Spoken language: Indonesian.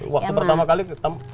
waktu pertama kali ketemu